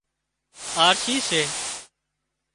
آرشِي سي